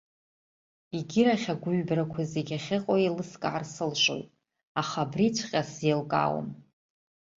Егьирахь агәыҩбарақәа зегьы ахьыҟоу еилыскаар сылшоит, аха абриҵәҟьа сзеилкаауам.